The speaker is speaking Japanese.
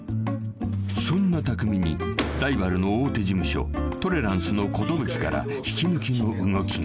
［そんな匠にライバルの大手事務所トレランスの寿から引き抜きの動きが］